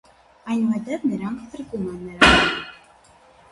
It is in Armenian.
Այնուհետև նրանք փրկում են նրան։